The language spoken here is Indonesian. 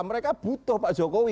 mereka butuh pak jokowi